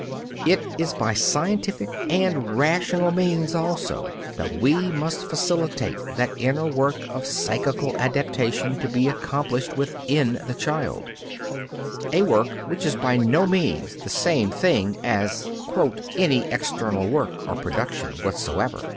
It is by scientific and rational means also that we must facilitate that inner work of psychical adaptation to be accomplished within the child, a work which is by no means the same thing as "any external work or production whatsoever."